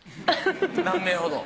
何名ほど？